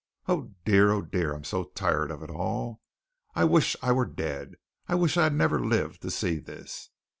Oh, dear, oh, dear. I'm so tired of it all. I wish I were dead. I wish I had never lived to see this."